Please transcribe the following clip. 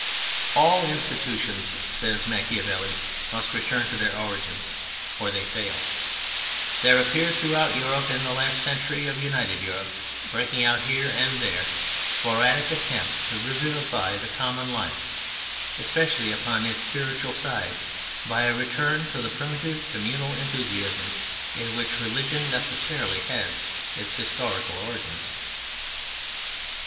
All institutions (says Machiavelli) must return to their origins, or they fail. There appeared throughout Europe in the last century of united Europe, breaking out here and there, sporadic attempts to revivify the common life, especially upon its spiritual side, by a return to the primitive communal enthusiasms in which religion necessarily has its historical origins.